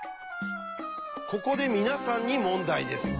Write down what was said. ここで皆さんに問題です。